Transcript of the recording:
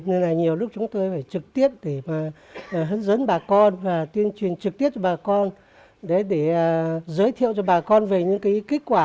nên là nhiều lúc chúng tôi phải trực tiếp để mà hướng dẫn bà con và tuyên truyền trực tiếp cho bà con để giới thiệu cho bà con về những cái kết quả